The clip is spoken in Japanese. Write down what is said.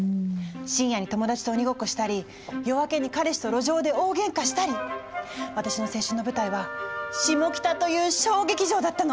深夜に友達と鬼ごっこしたり夜明けに彼氏と路上で大げんかしたり私の青春の舞台はシモキタという小劇場だったの。